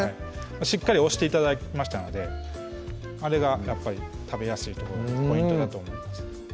しっかり押して頂きましたのであれがやっぱり食べやすいところのポイントだと思います